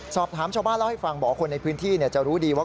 สอบถามชาวบ้านเล่าให้ฟังบอกว่าคนในพื้นที่จะรู้ดีว่า